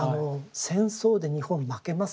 戦争で日本負けますよね。